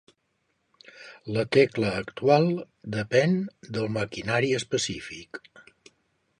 La tecla actual depèn del maquinari específic.